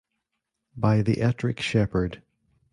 By the Ettrick Shepherd.